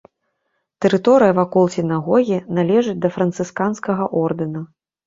Тэрыторыя вакол сінагогі належыць да францысканскага ордэна.